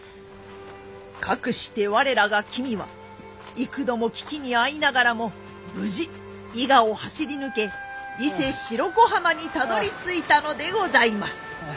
かくして我らが君は幾度も危機に遭いながらも無事伊賀を走り抜け伊勢・白子浜にたどりついたのでございます。